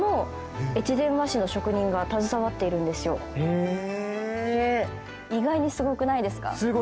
へえ！